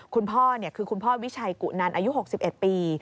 คุณพ่อคือคุณพ่อวิชัยกุนันอายุ๖๑ปี